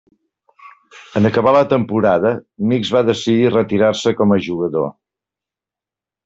En acabar la temporada, Mix va decidir retirar-se com a jugador.